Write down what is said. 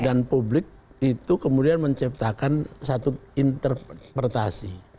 dan publik itu kemudian menciptakan satu interpretasi